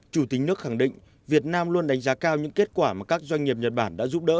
chủ tịch nước khẳng định việt nam luôn đánh giá cao những kết quả mà các doanh nghiệp nhật bản đã giúp đỡ